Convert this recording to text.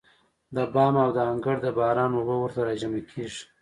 د بام او د انګړ د باران اوبه ورته راجمع کېږي.